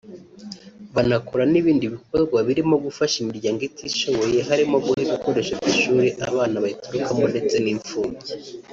banakora n’ibindi bikorwa birimo gufasha imiryango itishoboye harimo guha ibikoresho by’ishuri abana bayiturukamo ndetse n’impfubyi